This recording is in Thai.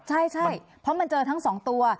ใช่เพราะมันเจอทั้ง๒ตัว